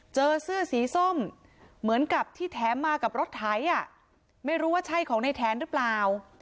เสื้อสีส้มเหมือนกับที่แถมมากับรถไถอ่ะไม่รู้ว่าใช่ของในแถนหรือเปล่า